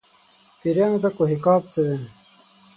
پېریانو ته کوه قاف څه دي.